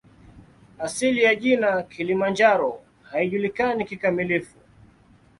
Asili ya jina "Kilimanjaro" haijulikani kikamilifu.